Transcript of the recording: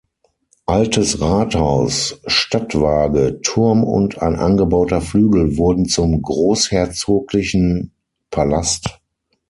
Altes Rathaus, Stadtwaage, Turm und ein angebauter Flügel wurden zum Großherzoglichen Palast.